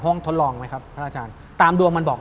ทดลองไหมครับพระอาจารย์ตามดวงมันบอก